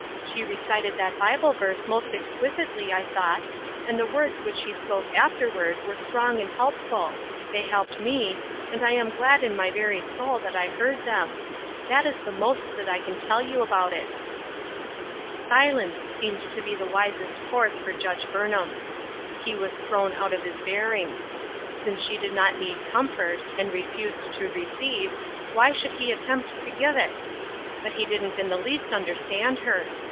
She recited that Bible verse most exquisitely, I thought, and the words which she spoke after ward were strong and helpful ; they helped me, and I am glad in my very soul that I heard them. That is the most that I can tell you about it," Silence seemed to be the wisest course for Judge Burnham. He was thrown out of his bearings. Since she did not need comfort, and refused to receive, why should he attempt to give it ? But he didn't in the least understand her.